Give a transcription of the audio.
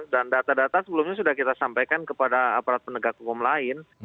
dan data data sebelumnya sudah kita sampaikan kepada aparat penegak hukum lain